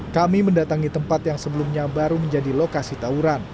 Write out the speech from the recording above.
kami mendatangi tempat yang sebelumnya baru menjadi lokasi tawuran